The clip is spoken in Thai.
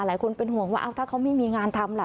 หลายคนเป็นห่วงว่าถ้าเขาไม่มีงานทำล่ะ